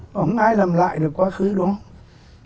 không ai làm lại được quá khứ đúng không